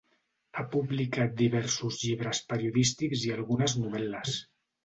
Ha publicat diversos llibres periodístics i algunes novel·les.